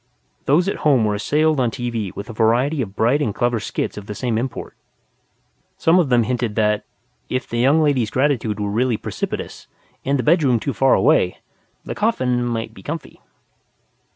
Those at home were assailed on TV with a variety of bright and clever skits of the same import. Some of them hinted that, if the young lady's gratitude were really precipitous, and the bedroom too far away, the coffin might be comfy.